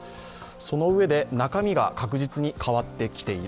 そのうえで、中身が確実に変わってきている。